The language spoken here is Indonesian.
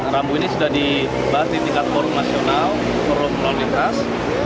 rambu ini sudah dibahas di tingkat forum nasional forum lalu lintas